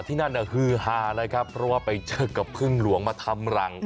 ที่นั่นฮือฮานะครับเพราะว่าไปเจอกับพึ่งหลวงมาทำรัง